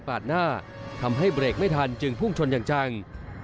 หน้าทำให้เบรกไม่ทันจึงพุ่งชนอย่างจัง